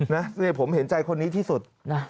นี่ผมเห็นใจคนนี้ที่สุด